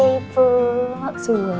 ibu makasih ya